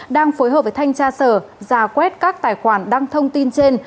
đang phối hợp với thanh tra sở giả quét các tài khoản đăng thông tin trên